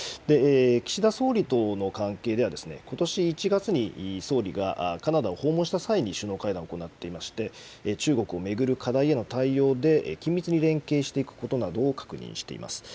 岸田総理との関係では、ことし１月に総理がカナダを訪問した際に首脳会談を行っていまして、中国を巡る課題への対応で緊密に連携していくことなどを確認しています。